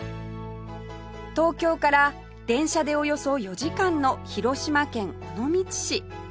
東京から電車でおよそ４時間の広島県尾道市